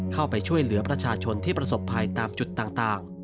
เข้าไปช่วยเหลือประชาชนที่ประสบภัยตามจุดต่าง